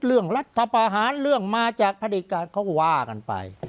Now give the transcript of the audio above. เรื่องรัฐประหารเรื่องมาจากพระเอกการเขาก็ว่ากันไป